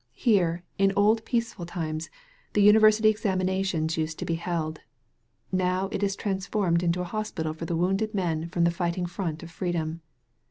Here, in old peaceful times, the university examinations used to be held. Now it is transformed into a hospital for the wounded men from the fighting front of freedom.